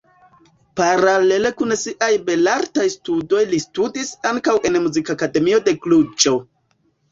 Paralele kun siaj belartaj studoj ŝi studis ankaŭ en muzikakademio de Kluĵo.